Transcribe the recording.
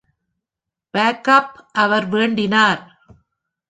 "Buck up!" அவர் வேண்டினார்.